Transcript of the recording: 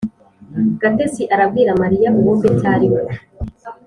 gatesi arabwira mariya uwo betty ari we.